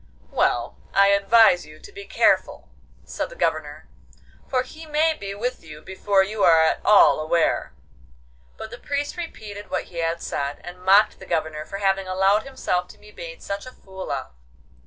'Well, I advise you to be careful,' said the Governor, 'for he may be with you before you are at all aware.' But the Priest repeated what he had said, and mocked the Governor for having allowed himself to be made such a fool of.